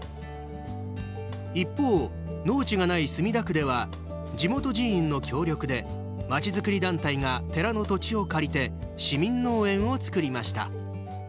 一方、農地がない墨田区では地元寺院の協力でまちづくり団体が寺の土地を借りて市民農園を作りました。